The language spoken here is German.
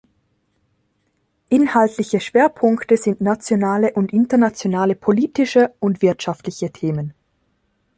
Inhaltliche Schwerpunkte sind nationale und internationale politische und wirtschaftliche Themen.